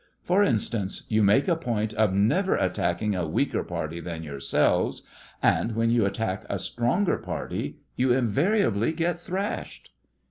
For instance, you make a point of never attacking a weaker party than yourselves, and when you attack a stronger party you invariably get thrashed.